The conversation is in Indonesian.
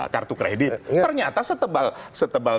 kartu kredit ternyata setebal